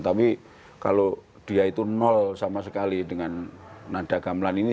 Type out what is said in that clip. tapi kalau dia itu nol sama sekali dengan nada gamelan ini